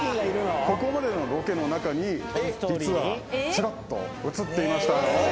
ここまでのロケの中に実はチラッと映っていましたよ